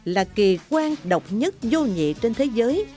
là kỳ quan độc nhất vô nhị trên thế giới